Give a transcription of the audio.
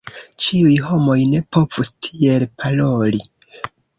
Ĉiuj homoj ne povus tiel paroli.